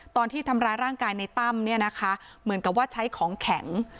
ตอนที่ทำร้ายร่างกายในตั้มเนี่ยนะคะเหมือนกับว่าใช้ของแข็ง